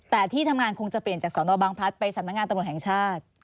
แต่ที่ทำงานคงจะเปลี่ยนจากสนบางพลัดไปสำนักงานตำรวจแห่งชาติ